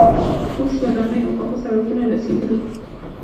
اوس ودانۍ او پاخه سړکونه رسیدلي.